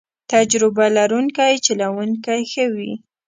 تجربه لرونکی چلوونکی ښه وي.